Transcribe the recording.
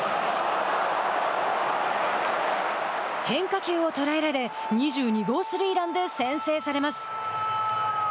変化球を捉えられ２２号スリーランで先制されます。